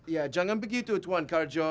iya jangan begitu tuan carjo